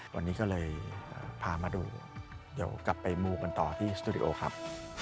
วันนี้ก็เลยพามาดูเดี๋ยวกลับไปมูกันต่อที่สตูดิโอครับ